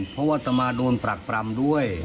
เพราะว่าต่อมาโดนปรักปรำด้วย